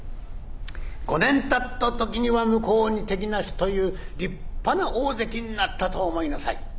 ５年経った時には向こうに敵なしという立派な大関になったと思いなさい」。